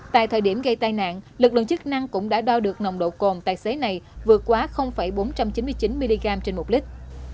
tại thời điểm gây tai nạn lực lượng chức năng cũng đã đo được nồng độ cồn tài xế này vượt quá bốn trăm chín mươi chín mg trên một lít